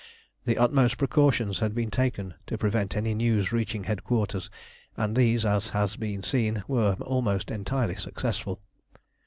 The utmost precautions had been taken to prevent any news reaching headquarters, and these, as has been seen, were almost entirely successful.